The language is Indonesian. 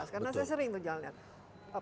karena saya sering jalan jalan